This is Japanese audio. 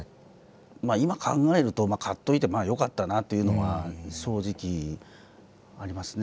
今考えると買っといてよかったなっていうのは正直ありますね。